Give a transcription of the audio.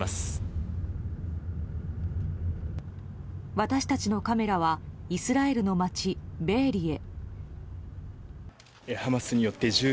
私たちのカメラはイスラエルの町ベエリへ。